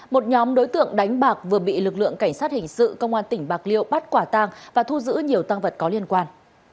một nhóm đối tượng đánh bạc vừa bị lực lượng cảnh sát hình sự công an tỉnh bạc liêu bắt quả tang và thu giữ nhiều tăng vật có liên quan